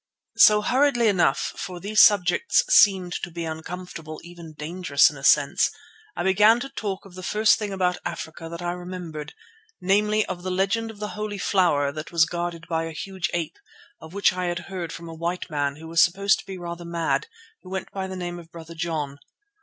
So, hurriedly enough, for these subjects seemed to be uncomfortable, even dangerous in a sense, I began to talk of the first thing about Africa that I remembered—namely, of the legend of the Holy Flower that was guarded by a huge ape, of which I had heard from a white man who was supposed to be rather mad, who went by the name of Brother John.